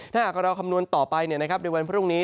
ถ้าหากเราคำนวณต่อไปในวันพรุ่งนี้